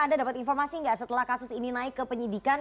anda dapat informasi nggak setelah kasus ini naik ke penyidikan